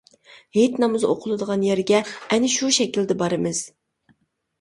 ھېيت نامىزى ئوقۇلىدىغان يەرگە ئەنە شۇ شەكىلدە بارىمىز.